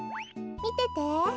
みてて。